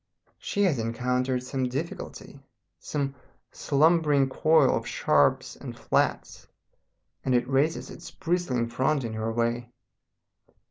She has encountered some difficulty, some slumbering coil of sharps and flats, and it raises its bristling front in her way....